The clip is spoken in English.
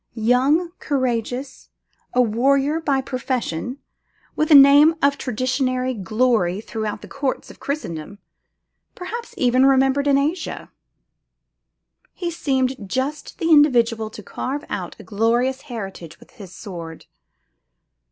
Young, courageous, a warrior by profession, with a name of traditionary glory throughout the courts of Christendom, perhaps even remembered in Asia, he seemed just the individual to carve out a glorious heritage with his sword.